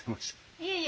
いえいえ。